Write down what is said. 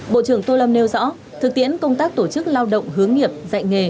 bộ trưởng tô lâm nêu rõ thực tiễn công tác tổ chức lao động hướng nghiệp dạy nghề